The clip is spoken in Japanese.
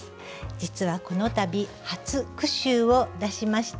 実はこの度初句集を出しました。